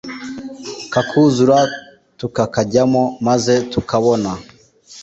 kakuzura tukakajyamo maze tukabona